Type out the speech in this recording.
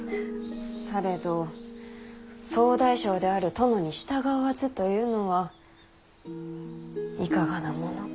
されど総大将である殿に従わずというのはいかがなものか。